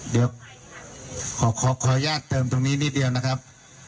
เดี๋ยวขออนุญาตเติมตรงนี้นิดเดียวนะครับ